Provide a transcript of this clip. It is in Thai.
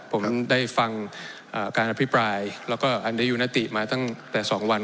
ผมได้ฟังการอภิปรายแล้วก็อันได้อยู่นติมาตั้งแต่๒วัน